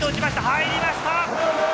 入りました。